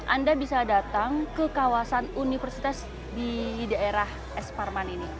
anda bisa datang ke kawasan universitas di daerah es parman ini